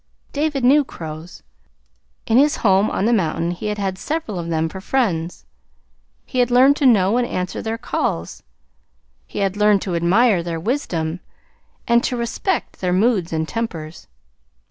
David knew crows. In his home on the mountain he had had several of them for friends. He had learned to know and answer their calls. He had learned to admire their wisdom and to respect their moods and tempers.